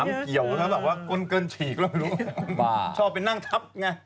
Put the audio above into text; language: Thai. น้ำเกี่ยวนะกล้นเกินฉีกชอบไปทับ